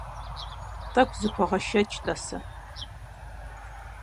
Тӏэкӏу зыхугъэшэч, тӏасэ…